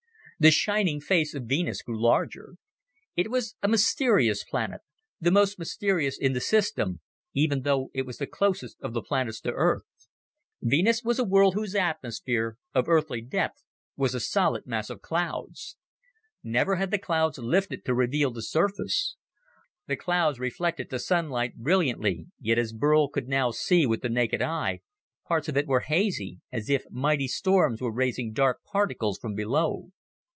The shining face of Venus grew larger. It was a mysterious planet, the most mysterious in the system, even though it was the closest of the planets to Earth. Venus was a world whose atmosphere of Earthly depth was a solid mass of clouds. Never had the clouds lifted to reveal the surface. The clouds reflected the sunlight brilliantly, yet as Burl could now see with the naked eye, parts of it were hazy, as if mighty storms were raising dark particles from below.